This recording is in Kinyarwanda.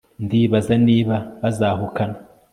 ndibaza niba bazahukana